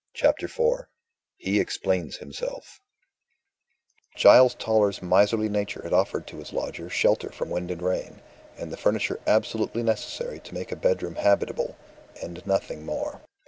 CHAPTER IV HE EXPLAINS HIMSELF Giles Toller's miserly nature had offered to his lodger shelter from wind and rain, and the furniture absolutely necessary to make a bedroom habitable and nothing more.